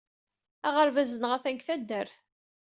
Aɣerbaz-nneɣ atan deg taddart.